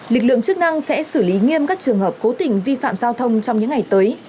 lực lượng chức năng sẽ xử lý nghiêm các trường hợp cố tình vi phạm giao thông trong những ngày tới